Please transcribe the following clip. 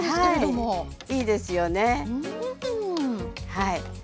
はい。